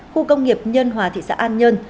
khu công nghiệp nhân hòa thị xã an nhân